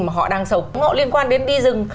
mà họ đang sống họ liên quan đến đi rừng